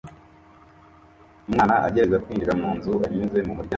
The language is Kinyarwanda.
Umwana agerageza kwinjira munzu anyuze mumuryango wimbwa